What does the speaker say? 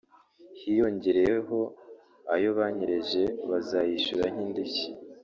hiyongereyeho ayo banyereje bazayishyura nk’indishyi